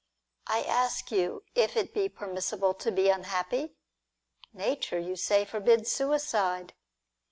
I ask you if it be permissible to be unhappy ? Nature, you say, forbids suicide.